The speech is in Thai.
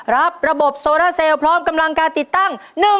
รับระบบโซราเซลพร้อมกำลังการติดตั้ง